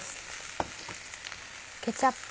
ケチャップ。